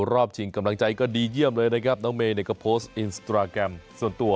ชิงกำลังใจก็ดีเยี่ยมเลยนะครับน้องเมย์เนี่ยก็โพสต์อินสตราแกรมส่วนตัว